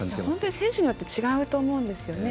選手によって違うと思うんですよね。